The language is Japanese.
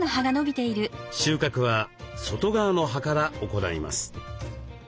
収穫は外側の葉から行います。